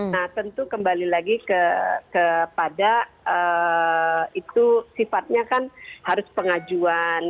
nah tentu kembali lagi kepada itu sifatnya kan harus pengajuan